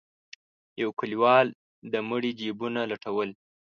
يو کليوال د مړي جيبونه لټول.